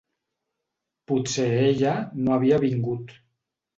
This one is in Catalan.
Potser ella no havia vingut.